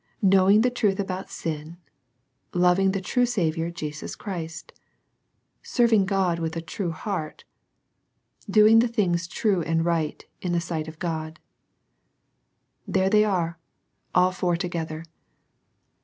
Knowing the truth about sin, — laving the true Saviour, Jesus Christ, — serving God with a true heart, — doing the things true and right in the sight of God; — there they are, all four together.